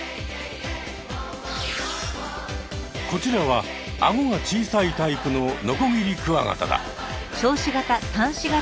こちらはアゴが小さいタイプのノコギリクワガタだ。